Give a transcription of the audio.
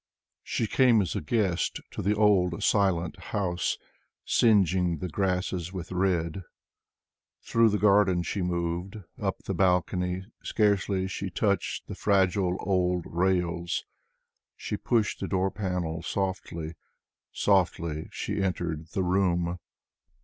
She came as a guest to the old, silent house, Singeing the grasses with red ; Through the garden she moved, — Up the balcony; scarcely she touched The fragile old rails. She pushed the door panel softly, Softly she entered the room.